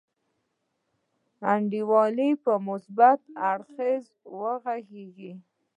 انډیواله په مثبت اړخ وغګیږه.